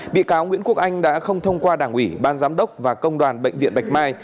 bị cáo nguyễn quốc anh đã không thông qua đảng ủy ban giám đốc và công đoàn bệnh viện bạch mai